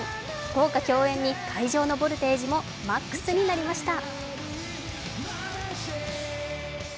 豪華共演に会場のボルテージもマックスになりました。